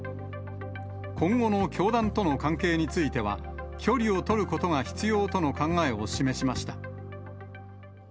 今後の教団との関係については、距離を取ることが必要との考えを示しました。